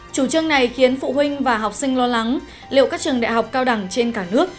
chủ trương này khiến phụ huynh và học sinh lo lắng liệu các trường đại học cao đẳng trên cả nước